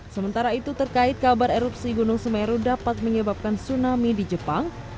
sementara itu terkait kabar erupsi gunung semeru dapat menyebabkan tsunami di jepang